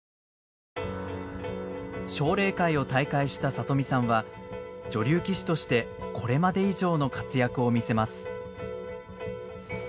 奨励会を退会した里見さんは女流棋士としてこれまで以上の活躍を見せます。